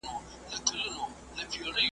هغه والدین چي وخت لري اغېزمن دي.